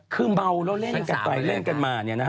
คือเมาแล้วเล่นกันไปเล่นกันมา